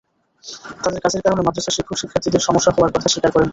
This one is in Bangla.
তাঁদের কাজের কারণে মাদ্রসার শিক্ষক-শিক্ষার্থীদের সমস্যা হওয়ার কথা স্বীকার করেন তিনি।